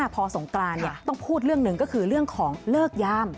พอสงกรานต้องพูดเรื่องหนึ่งก็คือเรื่องของเลิกยาม